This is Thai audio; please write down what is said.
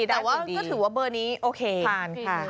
แต่ว่าก็ถือว่าเบอร์นี้โอเคผ่านค่ะ